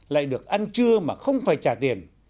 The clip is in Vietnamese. lại được ăn trưa mà không phải trả tiền